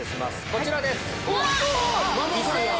こちらです。